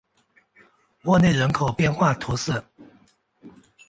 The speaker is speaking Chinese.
沃内人口变化图示